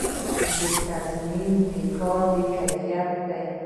تضمین د کار د کیفیت دی